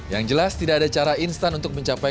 yang jelas tidak ada cara instan untuk mencapai